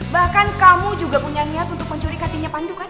bahkan kamu juga punya niat untuk mencurigatinya pandu kan